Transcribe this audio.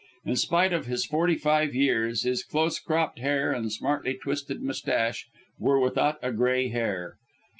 In spite of his forty five years, his close cropped hair and smartly twisted moustache were without a grey hair.